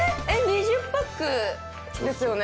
２０パックですよね？